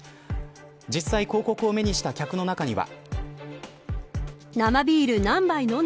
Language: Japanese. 実際広告を目にした客の中には。